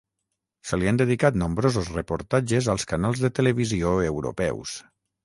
Se li han dedicat nombrosos reportatges als canals de televisió europeus.